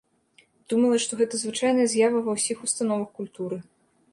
Думала, што гэта звычайная з'ява ва ўсіх установах культуры.